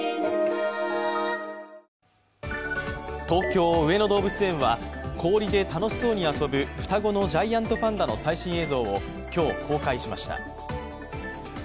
東京・上野動物園は氷で楽しそうに遊ぶ双子のジャイアントパンダの最新映像を今日公開しました。